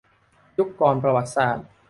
ยุคก่อนประวัติศาสตร์